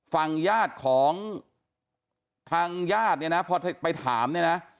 ฝั่งญาติของทางญาติเนี่ยนะพอไปถามเนี่ยนะ